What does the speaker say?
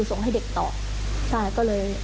จะจะจะจะจะค่ะ